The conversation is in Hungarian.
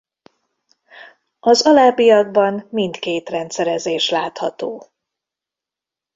Az alábbiakban mindkét rendszerezés látható.